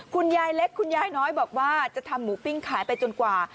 คุณยายเล็กคุณยายน้อยบอกว่าจะทำหมูปิ้งขายไปจนกว่า